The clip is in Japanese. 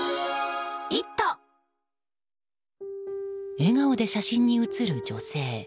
笑顔で写真に写る女性。